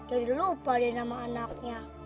udah lupa deh nama anaknya